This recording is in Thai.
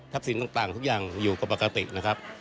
สินต่างทุกอย่างอยู่กับปกตินะครับ